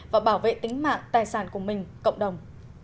và bảo vệ tính mạng tài sản của mình cộng đồng